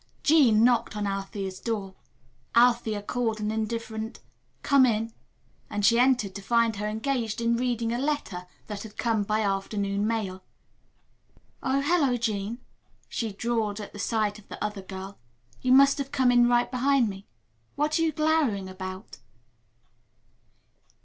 Jean knocked on Althea's door. Althea called an indifferent "Come in," and she entered to find her engaged in reading a letter that had come by the afternoon mail. "Oh, hello, Jean," she drawled at sight of the other girl. "You must have come in right behind me. What are you glowering about?"